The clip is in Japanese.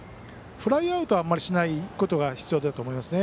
フライアウトはあんまりしないことが必要だと思いますね。